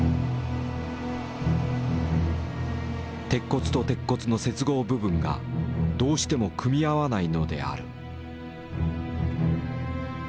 鉄骨と鉄骨の接合部分がどうしても組み合わないのである。